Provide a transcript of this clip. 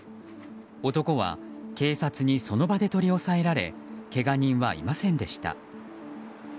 男は、警察にその場で取り押さえられけが人はいませんでした。